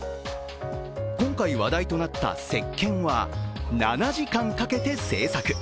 今回話題となったせっけんは７時間かけて制作。